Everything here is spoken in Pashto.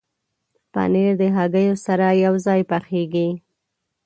پنېر د هګیو سره یوځای پخېږي.